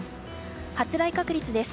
発雷確率です。